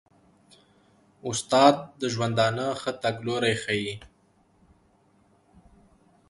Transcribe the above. استاد د ژوندانه ښه تګلوری ښيي.